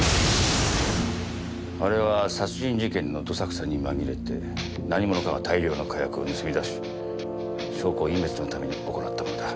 あれは殺人事件のどさくさに紛れて何者かが大量の火薬を盗み出し証拠隠滅のために行ったものだ。